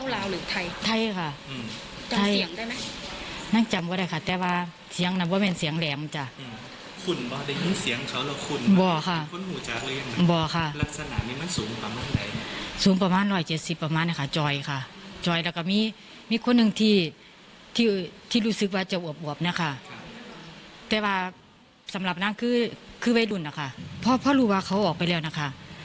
และประเทศด้านเดียวสำหรับนางคือเว๊ดุลวาเขาออกไปแล้วนะคะ